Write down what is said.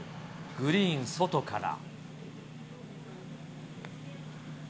グリーン外から。